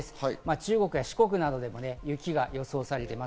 中国や四国などでも雪が予想されています。